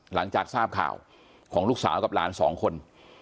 หลังจากทราบข่าวของลูกสาวกับหลานสองคน